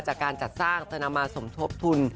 จากการจัดสร้างจะนำมาสมทบทุน